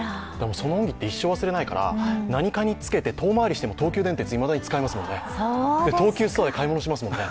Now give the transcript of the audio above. その恩義って一生忘れないから何かにつけて遠回りしても東急電鉄使いますし、東急ストアで買い物しますもんね。